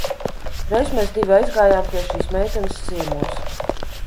Reiz mēs divi aizgājām pie šīs meitenes ciemos.